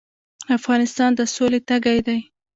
افغانستان د سولې تږی دی